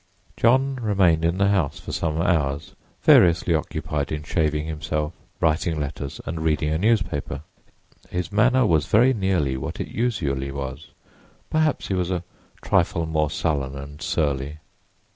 John remained in the house for some hours, variously occupied in shaving himself, writing letters and reading a newspaper. His manner was very nearly what it usually was; perhaps he was a trifle more sullen and surly.